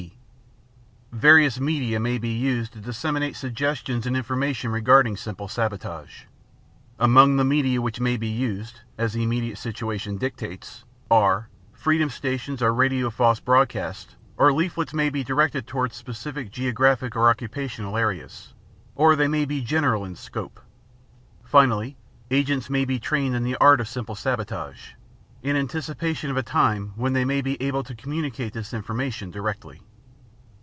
(d) Various media may be used to disseminate suggestions and information regarding simple sabotage. Among the media which may be used, as the immediate situation dictates, are: freedom stations or radio false (unreadable) broadcasts or leaflets may be directed toward specific geographic or occupational areas, or they may be general in scope. Finally, agents may be trained in the art of simple sabotage, in anticipation of a time when they may be able to communicate this information directly.